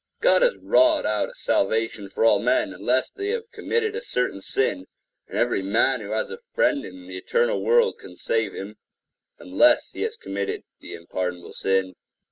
God has wrought out a salvation for all men, unless they have committed a certain sin; and every man who has a friend in the eternal world can save him, unless he has committed the unpardonable sin.